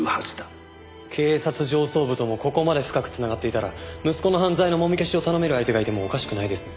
警察上層部ともここまで深く繋がっていたら息子の犯罪のもみ消しを頼める相手がいてもおかしくないですね。